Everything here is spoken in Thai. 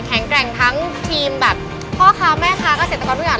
แข็งแกร่งทั้งทีมแบบพ่อค่ะแม่ค่ะกาศิษย์ตกรพิวัตร